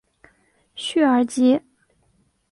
叙尔吉。